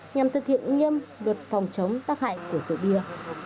nhằm thực hiện nghiêm luật phòng chống tác hại của rượu bia